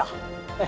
ええ。